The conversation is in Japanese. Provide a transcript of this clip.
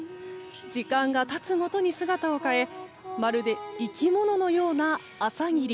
時間が経つごとに姿を変えまるで生き物のような朝霧。